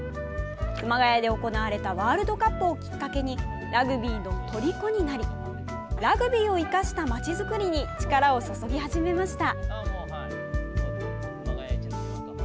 熊谷で行われたワールドカップをきっかけにラグビーのとりこになりラグビーを生かした街づくりに力を注ぎ始めました。